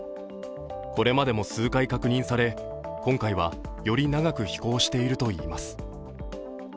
これまでも数回確認され、今回はより長く飛行しているといいます。